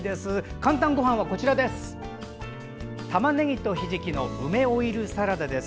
「かんたんごはん」はたまねぎとひじきの梅オイルサラダです。